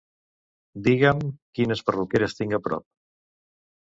Digue'm quines perruqueres tinc a prop.